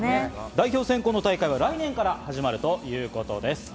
代表選考会は来年から始まるということです。